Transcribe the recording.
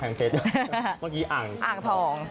นี่งั้วอ่างทอง